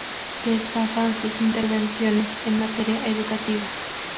Destacan sus intervenciones en materia educativa.